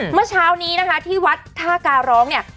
เมื่อเช้านี้นะคะที่วัดท่าการร้องเนี่ย